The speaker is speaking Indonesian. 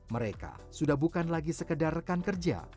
mereka sudah bukan lagi sekedar rekan kerja